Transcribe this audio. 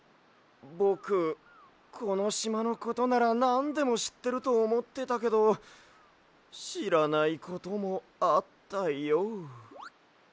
ぼくこのしまのことならなんでもしってるとおもってたけどしらないこともあったＹＯ。